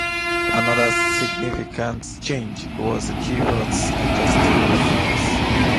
Another significant change was the keyboard's adjustable feet.